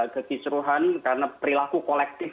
kekisruhan karena perilaku kolektif